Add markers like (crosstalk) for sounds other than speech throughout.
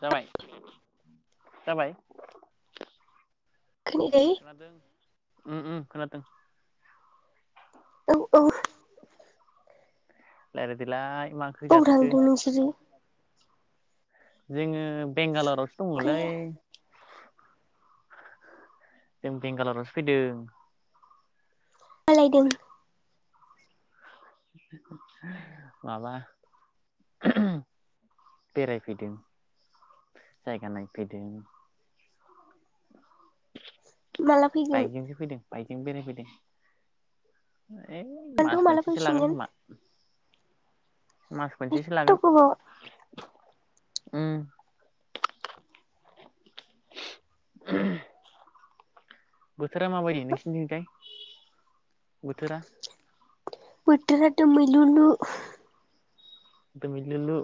जाबाय -जाबाय खोनायाखै खोनादों। उम-उम खोनादों। औ- औ। रायलायदोलाय। मा ओंख्रि ओबाव जाखो थांदों नोंसोरो? जोङो बेंगालरावसो दंलै। ओंख्रिया जों बेंगालरावसो फैदों। मालायदों? माबा, बेरायफैदों जायगा नायफैदों। माला फैगोन बाइकजोंसो फैदों। बाइकजों बेराय फैदों। ओइ आंथ' मास माला मोनसेसो लागोन फैफिनगोन खोमा। मास मोनसेसो एथ' लागोन। गोबाव ओम। (inaudible) बोथोरा माबायदि नोंसोरनिथिंजाय? बोथोराथ' दोमैलु लु। (inaudible) दोमैलु लु।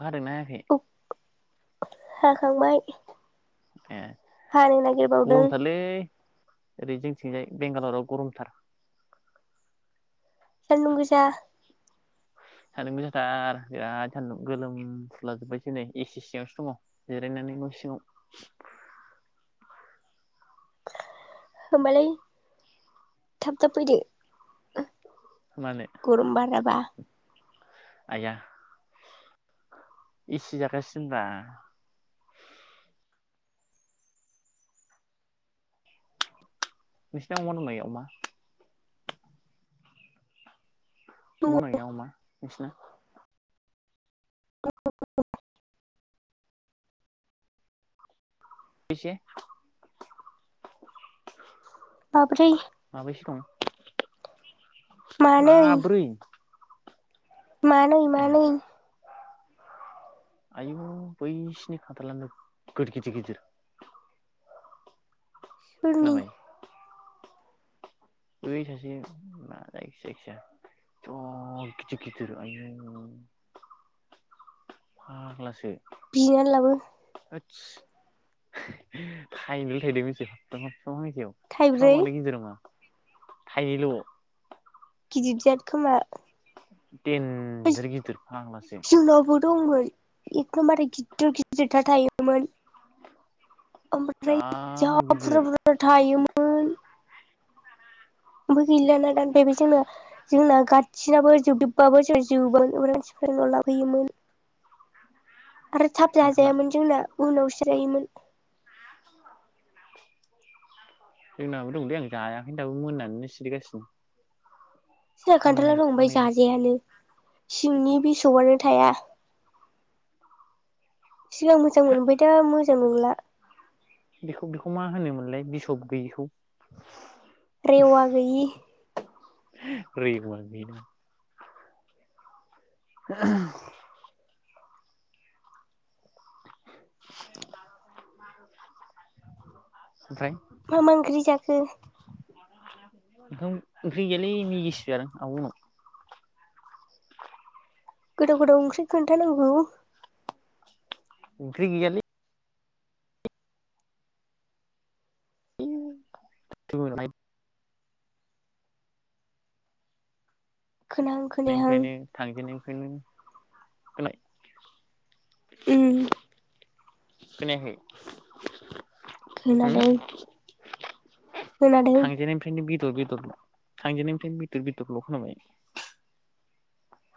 अखा हादोंना हायाखै? हाखांबाय। ए हानो नागिरबावदों गरमथारलै। ओरै जोंथिंजाय बेंगालराव गरमथार। सानदुं गोसा। सान्दुं गोसाथार बिराद सानदुं गोलोमफ्रुला जोबबायसै नै एसि सिगावसो दङ जिरायनानै न' सिङाव। होमबालाय थाब-थाब फैदो। मानो? गरम बाराबा आया एसि जागासिनोब्रा नोंसिना अमा दंना गैया, अमा? अमा दंना गैया अमा नोंसिना? (inaudible) (unintelligible) माब्रै। माबैसे दं मानै माब्रै मानै ए मानैै। आयु बैसिनि खान्थाला नोगोद गिदिर गिदिर। सोरनि? खोनाबाय बै सासे मा जायखि जायखिया एथ' गिदिर गिदिर आयु फाग्लासो। बिनानै लाबो। (unintelligible) थाइनैल' थायदो थाइब्रै (unintelligible) (unintelligible) थाइनैल'। दिदजाद खोमा। देनजार गिदिर फाग्लासो। जोंनावबो दंमोन एखनबारै गिदिर गिदिरथार थायोमोन। जा ओमफ्राय जा गिदिर बुरजा बुरजा थायोमो मोन। ओमफाय गैलाना (unintelligible) जोंना गाथसिनाबो जोबदोबबाबो जों (unintelligible) आरो थाब खान्थाला जाजायामोन जोंना उनावसो रायोमोन। जोंनाबो दंलै आं जायाखै दाबो मोननानै सिरिगासिनो। जोंहा खान्थाला फांनै दं ओमफाय फांनै जाजायानो। सिंनि बिसबआनो थाया। सिगां मोजां हा मोन ओमफाय दा मोजां नंला। लाय बिसब गैयैखौ? रेवआ गैयि। (unintelligible) (inaudible) (inaudible) ओमफ्राय मा मा ओंख्रि जाखो? ओंखाम ओंख्रि गैयालै मिगिसो जादों आब' मोनाव। गोथाव गोथाव ओंख्रि खोनथानांगौ। ओंख्रि गैयालि। (unintelligible) खोनाहां खोनायाहां बेनो होलाय। उम खोनायाखै? उम खोनादों। खोनादों थांजेननायनिफ्रायनो बेदर बेद थांजेननायनिफ्रायनो बेदर बेदरल' खोनाबाय।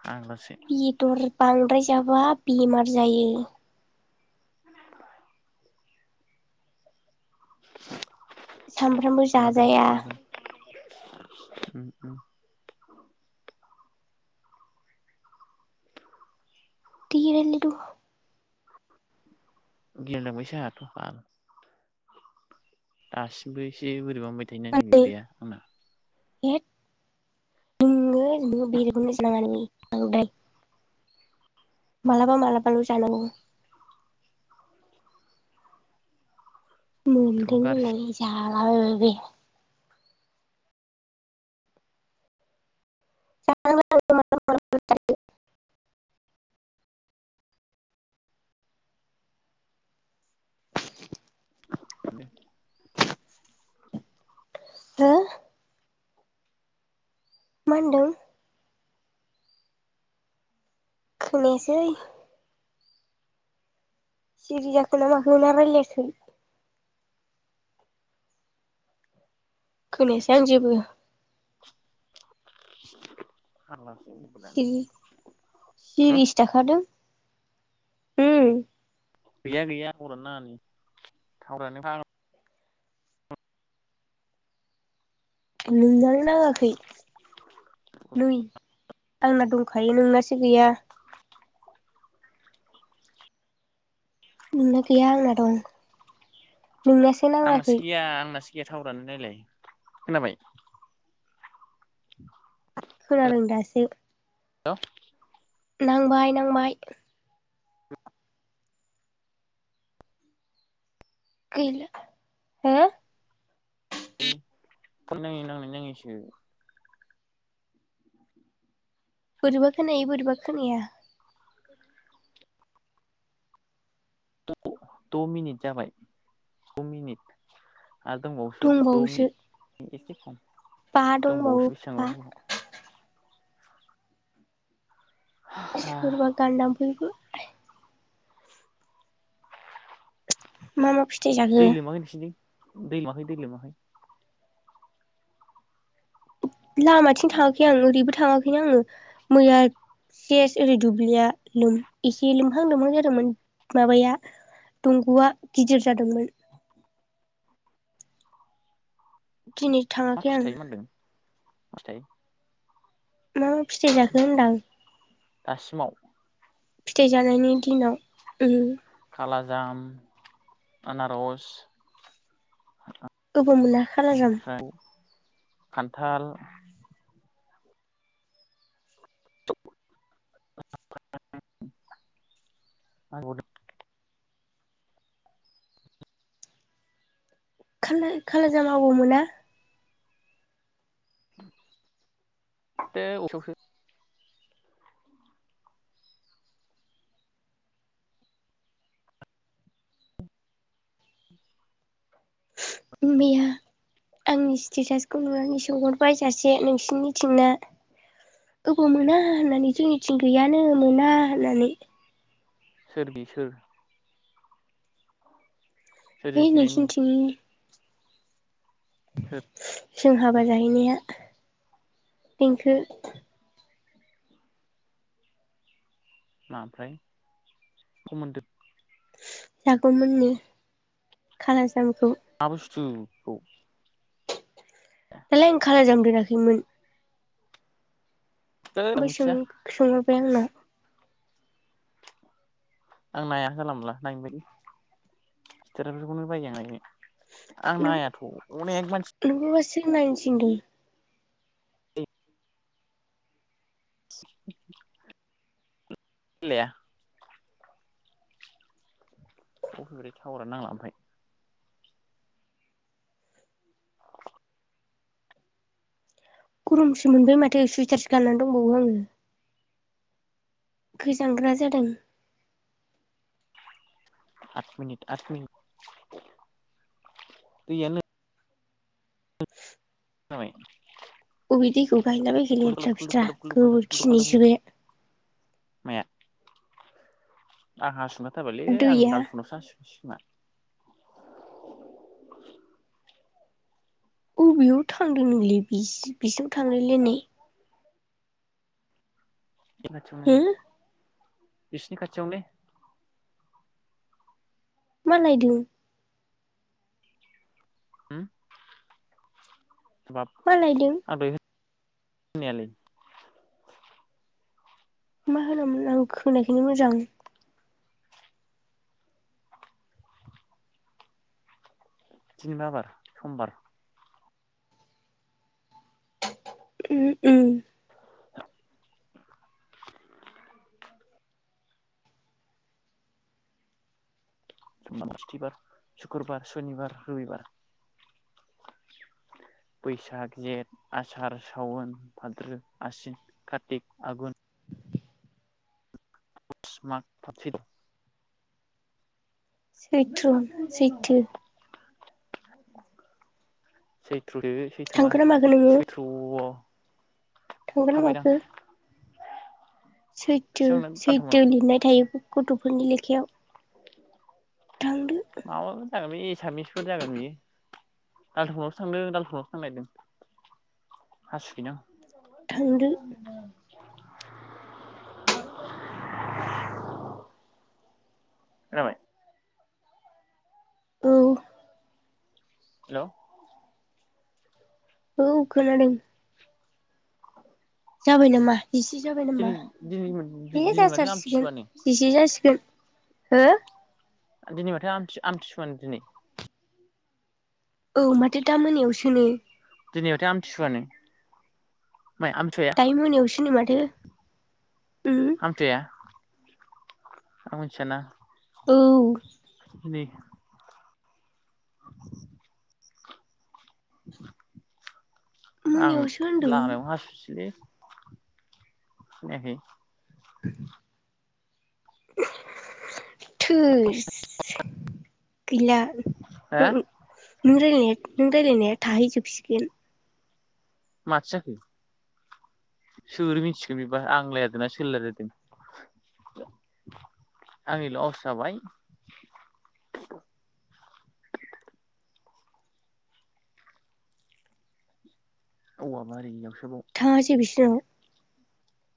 फाग्लासो बिदर बांद्राय जाबा बेमार जायो। सानफ्रामबो खोनादों जाजाया। खोनादों (inaudible) दे रायलायद'। गिलाय लांबायसो आंहाथ' बाल। आसि (unintelligible) (unintelligible) ए। (unintelligible) बेथ्रनो मोनदों गाज्रि होननानै जा (unintelligible) (unintelligible) (unintelligible) हो? मा होनदों? खोनायासै। सिरि जाखो ना माखो ना रायलायाखै? खोनायासै आं जेबो। (inaudible) (unintelligible) सिरि सिरिसो थाखादों। ओम। गैया गैया टावरानो नाङा नै टावरानो फाग्ला नोंनानो नाङाखै नै आंना दंखायो नोंनासो गैया। नोंना गैया आंना दं नोंनासो नाङाखै। गैयाटावरानो नायलाय खोनाबाय? (inaudible) खोनादों दासो। (unintelligible) नांबाय नांबाय। गैला हो? फन नाङै नांनो नाङैसो। बोरैबा खोनायो बोरैबा खोनाया। द' मिनिट जाबाय द' मिनिट। आरो दंबावोसो द' मिनिट इसे खम बा दंबावो दंबावोसो बा बेसेबांबा गोबाव। गोबाव सोरबा गान दामफैखो मा मा फिथ दै लोमाखै नोंथिनिथिं दै लोमाखै दै लोमाखै लामाथिं थाङाखै आं मारै ओरैबो थाङाखैनो आङो मैया सेस ओरै दुब्लिया लोम इसे लोमहां लोमहां जादोंमोन माबाया दंग'आ गिदिर जादोंमोन दिनै मा थाङाखै आं फिथाइ मोनदों मा फिथाइ मा फिथाइ जाखो होनदां दासिमाव फिथाइ जानायनि दिनाव ओम खालाजाम आनारस गोबाव मोना खालाजाम। ओमफ्राय खान्थाल (inaudible) खा खालाजाम आबाव मोना? (unintelligible) मैया आंनि स्टेटासखौ नुनानै सोंहरबाय सासे नोंसिरनिथिंना अबाव मोना होननानै जोंनिथिं गैयानो मोना होननानै। सोर बि सोर सोरजों ओइ सिनायनि नोंखिनिथिंनि सोर? जों हाबा जाहैनाया देंखो मा आफ्राय मोनदों जागौमोननो खालाजाम आब जु खौ दालाय आं खालाजाम फेराखैमोन थोद ओफ्राय मिथिया सों-सोंहराय आंनाव आं नाया जानला मोनला नायनो बायो स्थेटासफोरखौनो बायो आं नायनो आं नायाथ' अनेक मानसिनि सोर नायनो थिनदों (unintelligible) (unintelligible) थावरानो नांला ओमफ्राय गरमसो मोनबाय माथो सुइटारसो गाननानै दंबावो आङो। गोजांग्रा जादों। आ मिनिट आ मिनिट दैआनो जाबाय अबे दैखौ गायलाबायख खुलुब लायथ्रा खुलुब फिथ्रा खुलुब खुलुब खुलुब खुलुब खुलुब होनो गोबोरखिनिसो बे माया आं हासुगोन। ओखारबायलै आं दैया दालुुनावसो हासुहैनोसै खोमा। (unintelligible) अबेयाव थांदों नोंलै बिसि थांनोलै न हो (unintelligible) बिसिनि खाथियाव लै मा लायदों। होम मा लायदों (unintelligible) खोनायालै मा होनोमोन आं होनायखौनो मोजां। दीनैमा बार समबार उम उम (unintelligible) बार सुक्र'बार सनिबार रुबिबार बैसाग जेठ आसार सावन भाद्रो आसिन कार्तिक आघुन माग फाथिल सैथ्र' सैथो सैथ्र सैथ्र नङा थांखो ना माखो नोङो सैथ्रआव थांगोना थाबायदां माखो सैथो बेसेबां सैथो दालथावनाव लिरनाय थायो गथ'फोरनि लेखायाव थांदो माबाफोर जागोन बे एसामिसफोर जागोन बेयो दालथ'गावसो थांदो दालटगआव थांलायदों हसि बिना थांदों (unintelligible) (unintelligible) (unintelligible) औ हेल' औ खोनादों जाबाय नामा जिसे जाबाय नामा दिनै दिनै दे दिनै माथो जाथारसिगोन आमथिसुवानो जिसे जासिगोन हो दिनै माथो आमथि आमथिसुआनो दिनै औ माथो दा मोनायावसोनो यावथो आमथिसुवानो माइ आमथिसुवाया दायो मोनायावसोनो माथो उम आमथाया आं मोन्थियाना उं (unintelligible) (inaudible) आं मोनायावसो होनदों लामायाव हासुसैलै खोनायाखै (unintelligible) थोस गैला (unintelligible) हो नों रायलानाया नों रायलायनाया थाहैजोबसिगोन माथो जाखो सोर मिथिगोन बेबा आं रायलायदोंना सोर रायलायदों आंनि ल' आवास जाबाय औवा बारियाव थासि बिसुं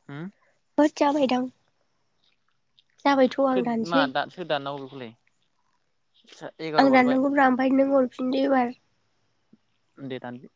होम होत जाबायदां जाबायथ' आं दानसै (unintelligible) आं एगार' बारबाय दाननांगौब्रा (unintelligible) दे दानदो